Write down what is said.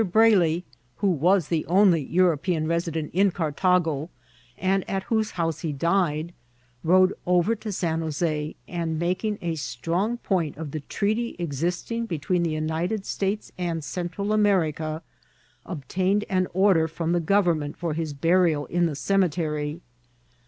Brayley, who was the only European resident in Cartago, and at whose house he died, rode over to San Jose, and ma* king a strong point of the treaty existing between the United States and Central America, obtained an order firom the government for his burial in the cemetery.